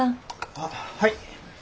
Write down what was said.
あっはい。